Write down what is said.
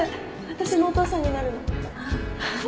私のお父さんになるの？